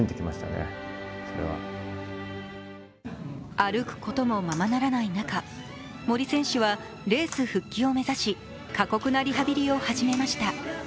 歩くこともままならない中、森選手はレース復帰を目指し、過酷なリハビリを始めました。